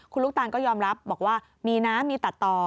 คุณลูกตานก็ยอมรับบอกว่ามีนะมีตัดต่อ